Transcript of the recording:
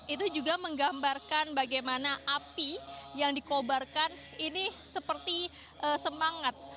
itu juga menggambarkan bagaimana api yang dikobarkan ini seperti semangat